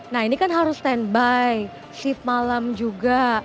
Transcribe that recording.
nah ini kan harus stand by shift malam juga